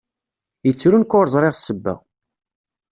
Yettru nekk ur ẓṛiɣ sebba.